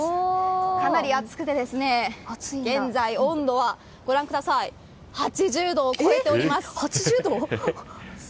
かなり暑くて、現在温度は８０度を超えております。